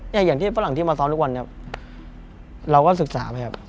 อย่างที่ฝรั่งที่มาซ้อมทุกวันอะเราก็ศึกษาไปอะ